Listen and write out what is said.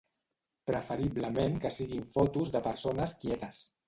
Preferiblement que siguin fotos de persones quietes.